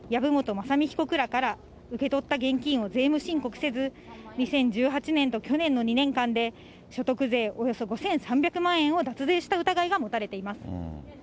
雅巳被告らから受け取った現金を税務申告せず、２０１８年と去年の２年間で、所得税およそ５３００万円を脱税した疑いが持たれています。